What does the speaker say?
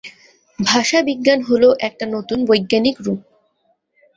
ভাষা বিজ্ঞান হলো একটা নতুন বৈজ্ঞানিক রুপ।